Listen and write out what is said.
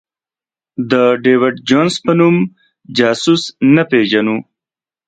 د ډېویډ جونز په نوم جاسوس نه پېژنو.